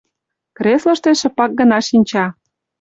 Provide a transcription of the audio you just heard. Креслыште шыпак гына шинча.